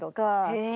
へえ。